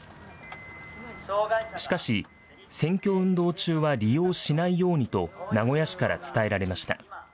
しかし、選挙運動中は利用しないようにと名古屋市から伝えられました。